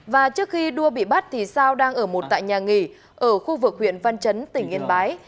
và trước khi đua bị bắt thì sao đang ở một tại nhà nghỉ ở khu vực huyện văn chấn tỉnh yên bái